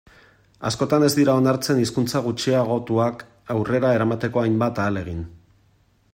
Askotan ez dira onartzen hizkuntza gutxiagotuak aurrera eramateko hainbat ahalegin.